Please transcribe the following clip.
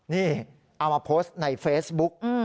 นี่เอามาโพสต์ในเฟซบุ๊ก